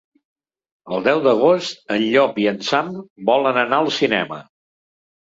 El deu d'agost en Llop i en Sam volen anar al cinema.